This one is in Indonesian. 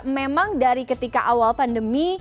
memang dari ketika awal pandemi